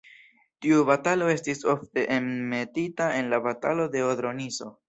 Tiu batalo estis ofte enmetita en la Batalo de Odro-Niso.